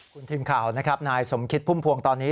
คุณทีมข่าวนะครับนายสมคิดพุ่มพวงตอนนี้